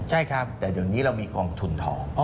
ใช่ครับแต่เดี๋ยวนี้เรามีกองทุนทอง